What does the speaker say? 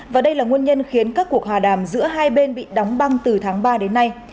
và đây là nguồn nhân khiến các cuộc hòa đàm giữa hai bên bị đóng băng từ tháng ba đến nay